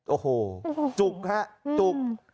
โอ้โหจุกฮะจุก